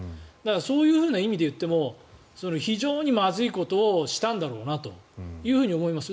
そういう意味で言っても非常にまずいことをしたんだろうなというふうに思います。